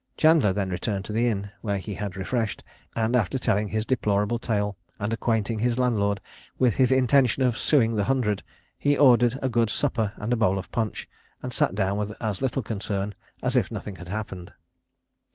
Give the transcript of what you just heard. Chandler then returned to the inn where he had refreshed, and, after telling his deplorable tale, and acquainting his landlord with his intention of suing the hundred, he ordered a good supper and a bowl of punch, and sat down with as little concern as if nothing had happened.